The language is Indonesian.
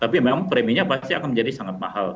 tapi memang preminya pasti akan menjadi sangat mahal